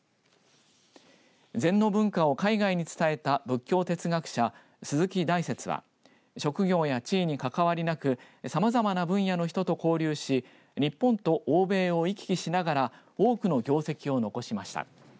禅の文化を海外に伝えた仏教哲学者鈴木大拙は職業や地位に関わりなくさまざまな分野の人と交流し日本と欧米を行き来しながら多くの業績を残しました。